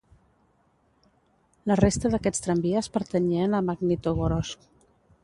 La resta d'aquests tramvies pertanyien a Magnitogorsk.